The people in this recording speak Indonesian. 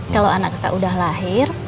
kalau anak kita udah lahir